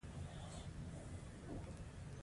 پوستکی د بدن لپاره څه ګټه لري